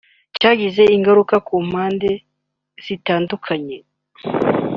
cyagize ingaruka ku mpande zitandukanye